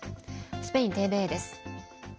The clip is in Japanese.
スペインＴＶＥです。